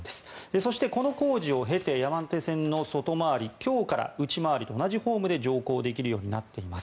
そしてこの工事を経て山手線外回り今日から内回りと同じホームで乗降できるようになっています。